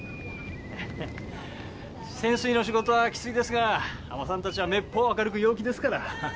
潜水の仕事はきついですが海女さんたちはめっぽう明るく陽気ですから。